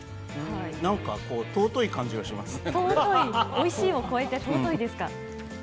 なんか、尊い感じがしますね。